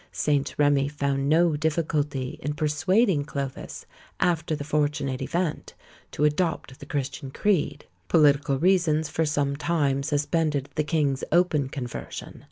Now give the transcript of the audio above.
St. Remi found no difficulty in persuading Clovis, after the fortunate event, to adopt the Christian creed. Political reasons for some time suspended the king's open conversion.